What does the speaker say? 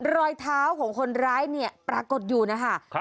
รอยเท้าของคนร้ายเนี่ยปรากฏอยู่นะคะ